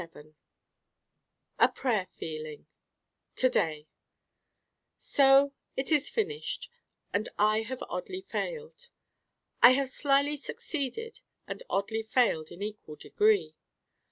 A prayer feeling To day So it is finished: and I have oddly Failed. I have slyly Succeeded and oddly Failed in equal degree.